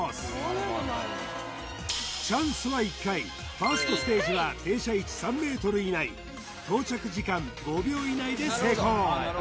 ファーストステージは停車位置３ｍ以内到着時間５秒以内で成功